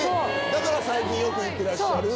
だから最近よく行ってらっしゃる。